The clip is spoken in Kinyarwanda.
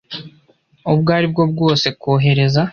ubwo ari bwo bwose kohereza